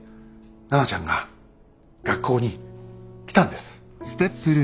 奈々ちゃんが学校に来たんです。